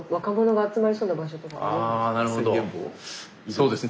そうですね